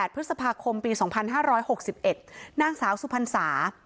พฤษภาคมปี๒๕๖๑นางสาวสุพรรษา